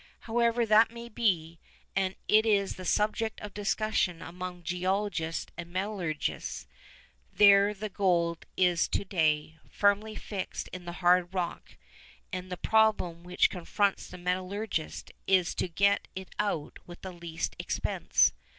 However that may be, and it is the subject of discussion among geologists and metallurgists, there the gold is to day, firmly fixed in the hard rock, and the problem which confronts the metallurgist is to get it out with the least expense.